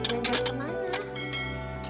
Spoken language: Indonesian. jalan jalan ke mana